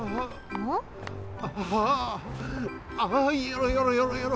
あああああよろよろよろよろ。